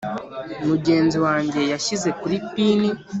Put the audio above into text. mugenzi wanjye yashyize kuri pin,